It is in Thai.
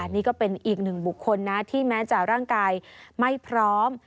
นี่ก็เป็นอีกหนึ่งบุคคลนะที่แม้จะร่างกายไม่พร้อม